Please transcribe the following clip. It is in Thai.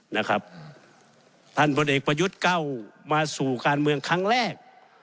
นะครับท่านพลเอกประยุทธ์ก้าวมาสู่การเมืองครั้งแรก